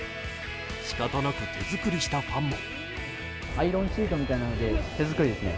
しかたなく手作りしたファンも。